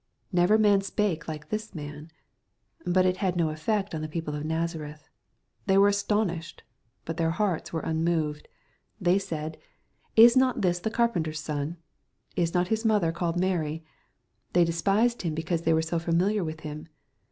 " Never man spake like this man." Bat it had no effect on the people of Nazareth. They were " astonished/' but their hearts were unmoved. They said, " Is not this the carpenter's son ? Is not his mother called Mary ?" They despised Him, because they were so familiar with Him.